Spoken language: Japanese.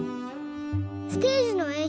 ステージのえん